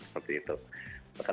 mungkin ada yang dua dokter